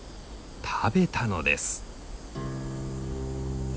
食べたのです。